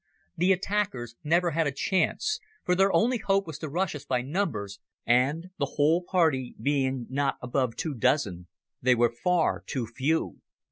The attackers never had a chance, for their only hope was to rush us by numbers, and, the whole party being not above two dozen, they were far too few.